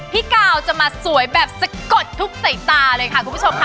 พี่กาวจะมาสวยแบบสะกดทุกสายตาเลยค่ะคุณผู้ชมค่ะ